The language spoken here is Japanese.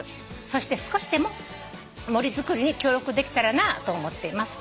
「そして少しでも森づくりに協力できたらなと思っています」